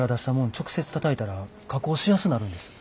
直接たたいたら加工しやすなるんです。